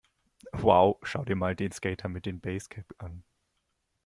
Wow, schau dir mal den Skater mit dem Basecap an!